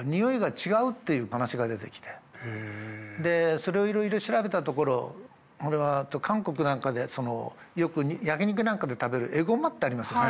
それをいろいろ調べたところ韓国なんかでよく焼き肉なんかで食べるえごまってありますよね。